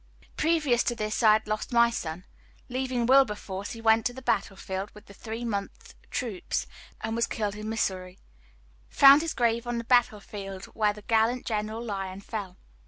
Previous to this I had lost my son. Leaving Wilberforce, he went to the battle field with the three months troops, and was killed in Missouri found his grave on the battle field where the gallant General Lyon fell.